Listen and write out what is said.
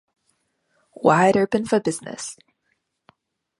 Wide Open For Business.